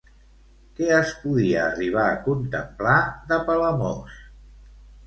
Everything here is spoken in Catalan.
Què es podia arribar a contemplar de Palamós?